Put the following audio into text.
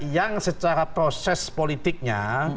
yang secara proses politiknya